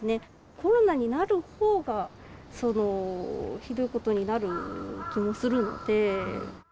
コロナになるほうがひどいことになる気もするので。